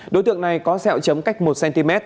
đối tượng này có xeo chấm cách một cm